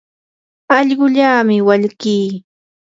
allquullami walkii.